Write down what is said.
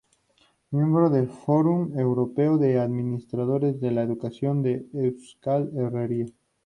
Miembro de Forum Europeo de Administradores de la Educación de Euskal Herria.